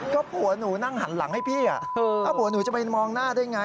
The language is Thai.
ก็ผัวหนูนั่งหันหลังให้พี่ถ้าผัวหนูจะไปมองหน้าได้ไง